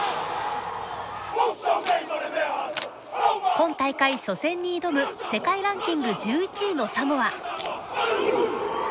今大会初戦に挑む世界ランキング１１位のサモア。